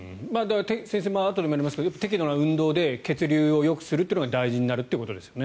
先生、あとでもやりますが適度な運動で血流をよくするっていうのが大事になってくるということですよね。